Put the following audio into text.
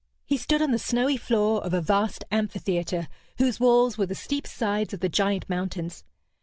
He stood on the snowy floor of a vast amphitheatre whose walls were the steep sides of the giant mountains.